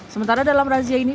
sementara dalam razia ini